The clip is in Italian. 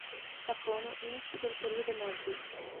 Giappone, inizi del periodo Meiji.